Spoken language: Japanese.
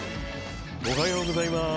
おはようございまーす。